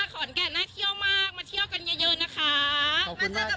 ขอนแก่นสวยมากขอนแก่นน่าเที่ยวมากมาเที่ยวกันเยอะนะคะ